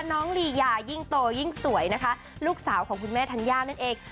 ลียายิ่งโตยิ่งสวยนะคะลูกสาวของคุณแม่ธัญญานั่นเอง